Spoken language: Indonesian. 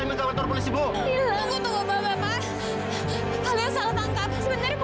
aku dipenjara karena membela mertuaku